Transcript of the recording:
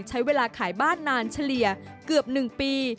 ใช้เวลาขายบ้านนานเฉลี่ยเกือบ๑ปี